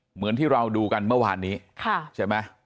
เหมือนที่เราดูกันเมื่อวานนี้ใช่ไหม